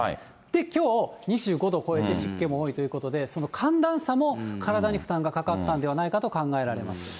できょう、２５度超えて、湿気も多いということで、その寒暖差も体に負担がかかったんではないかと考えられます。